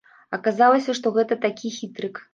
Аказалася, што гэта такі хітрык.